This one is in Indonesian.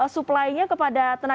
supply nya kepada tenaga